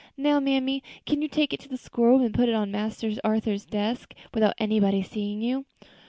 Now, mammy, can you take it to the school room, and put it on Master Arthur's desk, without anybody seeing you?"